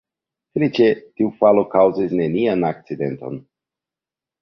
Feliĉe tiu falo kaŭzis nenian akcidenton.